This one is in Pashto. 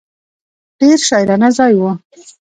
ډېر شاعرانه ځای و.